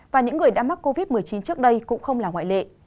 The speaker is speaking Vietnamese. và những người đã mắc covid một mươi chín trước đây cũng không là ngoại lệ